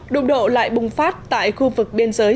đụng độ lại bùng phát tại khu vực biên giới